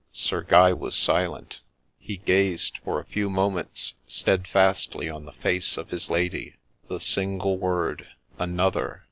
Sir Guy was silent ; he gazed for a few moments stedfastly on the face of his lady. The single word, ' Another